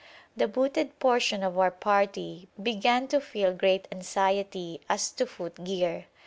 The booted portion of our party began to feel great anxiety as to foot gear.